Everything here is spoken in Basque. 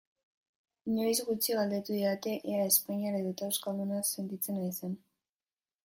Inoiz gutxi galdetu didate ea espainiar edota euskalduna sentitzen naizen.